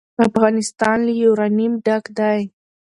افغانستان له یورانیم ډک دی.